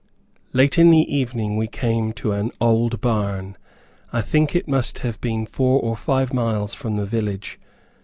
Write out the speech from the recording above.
Late in the evening, we came to an old barn. I think it must have been four or five miles from the village.